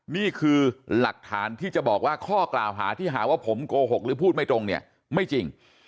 นี่คือหลักฐานที่จะบอกว่าข้อกล่าวหาที่หาว่าผมโกหกหรือพูดไม่ตรงเนี่ยไม่จริง